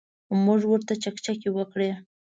موږ ورته چکچکې وکړې.